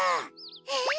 えっ！？